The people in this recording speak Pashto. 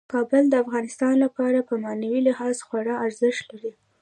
کابل د افغانانو لپاره په معنوي لحاظ خورا ارزښت لري.